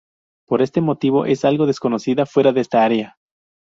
Por este motivo, es algo desconocida fuera de esta área.